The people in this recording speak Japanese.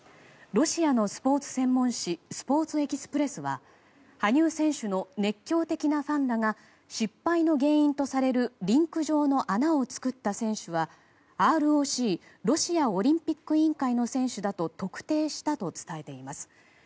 ロシアのスポーツ専門紙「スポーツ・エキスプレス」は羽生選手の熱狂的なファンらが失敗の原因とされるリンク上の穴を作った選手はＲＯＣ・ロシアオリンピック委員会の選手だと特定したと伝えています。